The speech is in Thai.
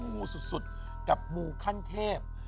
งูสุดกับมูขั้นเทพ